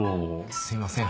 すいません。